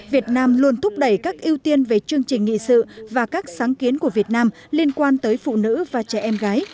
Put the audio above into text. việt nam luôn thúc đẩy các ưu tiên về chương trình nghị sự và các sáng kiến của việt nam liên quan tới phụ nữ và trẻ em gái